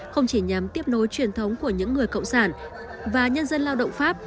không chỉ nhằm tiếp nối truyền thống của những người cộng sản và nhân dân lao động pháp